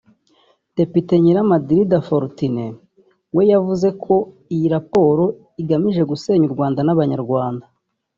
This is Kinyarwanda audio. Depite Nyiramadirida Fortunée we yavuze ko iyi raporo igamije gusenya u Rwanda n’Abanyarwanda